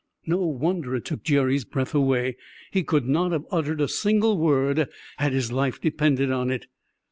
No wonder it took Jerry's breath away. He could not have uttered a single word had his life depended on it.